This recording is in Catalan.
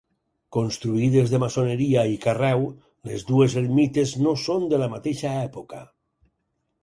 Construïdes de maçoneria i carreu, les dues ermites no són de la mateixa època.